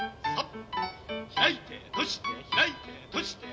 開いて閉じて開いて閉じて。